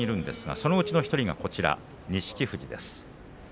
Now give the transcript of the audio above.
その１人が錦富士です。